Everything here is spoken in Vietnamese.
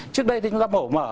trước đây thì chúng ta mổ mở